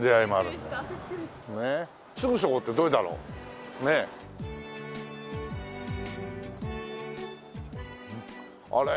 すぐそこってどれだろう？ねえ。あれ？